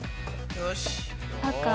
よし。